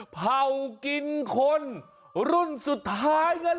เผากินคนรุ่นสุดท้ายนั้นเหรอ